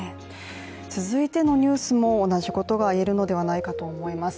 続いてのニュースも同じことがいえるのではないかと思います。